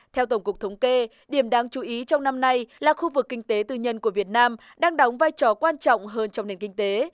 theo tổng cục thống kê điểm đáng chú ý trong năm nay là khu vực kinh tế tư nhân của việt nam đang đóng vai trò quan trọng hơn trong nền kinh tế